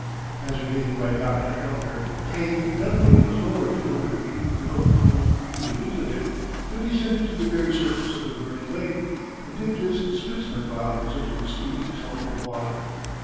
As related by Dr. Elder, Kane not only was lowered two hundred feet below the point usually visited, but descended to the very surface of the burning lake and dipped his specimen bottles into the steaming sulphur water.